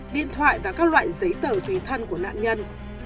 điện thoại và các loại giấy tờ tùy thân của nạn nhân